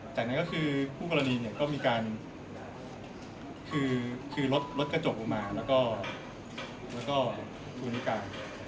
จากนั้นก็คือคู่กรณีเนี่ยก็มีการคือรถกระจกลงมาแล้วก็ภูมิการ